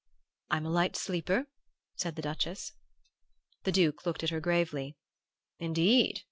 "'I'm a light sleeper,' said the Duchess. "The Duke looked at her gravely. 'Indeed?